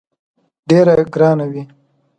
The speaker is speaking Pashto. ډېره ګرانه وي.